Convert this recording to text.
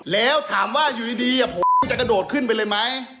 แล้วถามว่าอยู่ดีผมจะกระโดดขึ้นไปเลยไหม